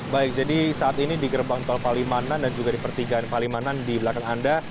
baik jadi saat ini di gerbang tol palimanan dan juga di pertigaan palimanan di belakang anda